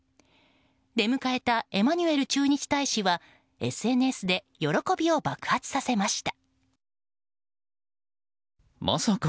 出迎えたエマニュエル駐日大使はＳＮＳで喜びを爆発させました。